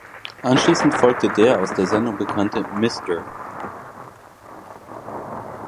Anschließend folgte der aus der Sendung bekannte "Mr.